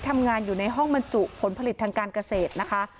ทำงานอยู่ในห้องบรรจุผลผลิตทางการเกษตรนะคะ